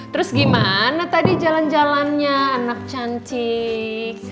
terus gimana tadi jalan jalannya anak cantik